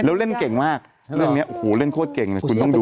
แล้วเล่นเก่งมากเรื่องนี้โอ้โหเล่นโคตรเก่งเลยคุณต้องดู